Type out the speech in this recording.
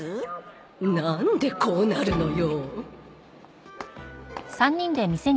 なんでこうなるのよ